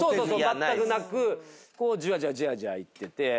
まったくなくじわじわじわじわいってて。